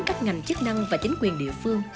các ngành chức năng và chính quyền địa phương